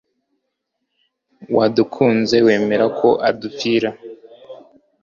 wadukunze, wemera ko adupfira